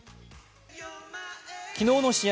昨日の試合